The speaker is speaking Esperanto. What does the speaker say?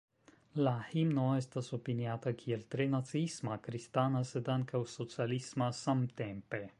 La himno estas opiniata kiel tre naciisma, kristana sed ankaŭ socialisma samtempe.